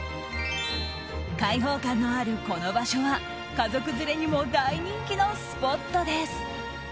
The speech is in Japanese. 開放感のあるこの場所は家族連れにも大人気のスポットです。